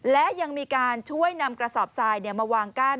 และยังมีการช่วยนำกระสอบทรายมาวางกั้น